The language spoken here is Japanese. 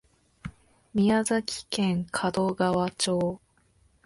宮崎県門川町